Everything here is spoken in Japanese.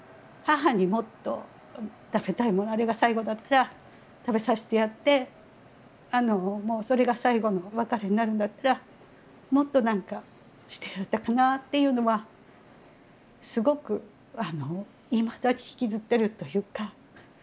母にもっと食べたいものあれが最後だったら食べさせてやってもうそれが最後の別れになるんだったらもっと何かしてやれたかなっていうのはすごくいまだに引きずってるというか。